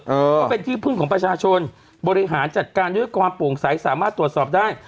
เพราะเป็นที่พึ่งของประชาชนบริหารจัดการด้วยความโปร่งใสสามารถตรวจสอบได้